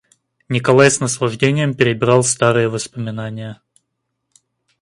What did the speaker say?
Николай с наслаждением перебирал старые воспоминания.